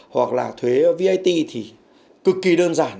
hoặc là thuế vat thì cực kỳ đơn giản